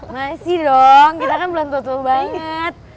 masih dong kita kan belum tentu banget